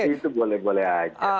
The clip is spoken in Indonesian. itu boleh boleh aja